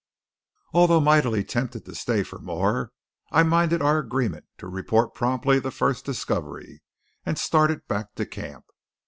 Although mightily tempted to stay for more, I minded our agreement to report promptly the first discovery, and started back to camp.